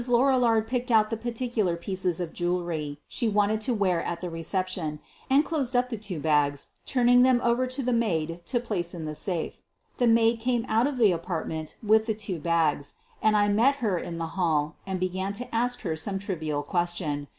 Lorillard picked out the particular pieces of jewelry she wanted to wear at the reception, and closed up the two bags, turning them over to the maid to place in the safe. The maid came out of the apartment with the two bags, and I met her in the hall and began to ask her some trivial question.